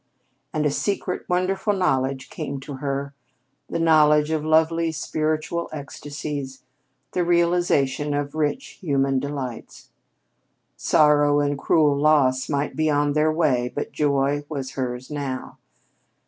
And a secret, wonderful knowledge came to her the knowledge of lovely spiritual ecstasies, the realization of rich human delights. Sorrow and cruel loss might be on their way, but Joy was hers now.